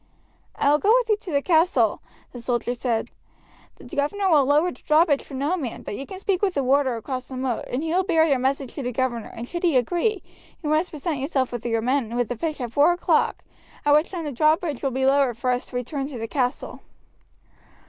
"I will go with you to the castle," the soldier said. "The governor will lower the drawbridge for no man, but you can speak with the warder across the moat and he will bear your message to the governor, and should he agree, you must present yourself with your men with the fish at four o'clock, at which time the drawbridge will be lowered for us to return to the castle."